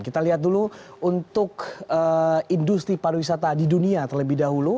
kita lihat dulu untuk industri pariwisata di dunia terlebih dahulu